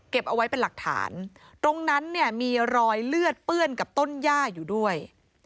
เอาไว้เป็นหลักฐานตรงนั้นเนี่ยมีรอยเลือดเปื้อนกับต้นย่าอยู่ด้วย